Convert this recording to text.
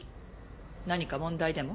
何か問題でも？